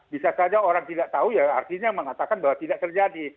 bisa saja orang tidak tahu ya artinya mengatakan bahwa tidak terjadi